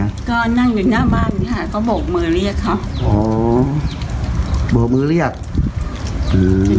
ก็นั่งอยู่หน้าบ้านค่ะก็โบกมือเรียกเขาอ๋อโบกมือเรียกอืม